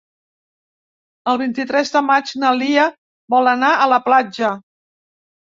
El vint-i-tres de maig na Lia vol anar a la platja.